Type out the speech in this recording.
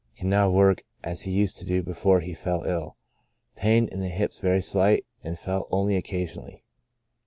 can now work as he used to do before he fell ill ; pain in the hips very slight, and felt only occasionally.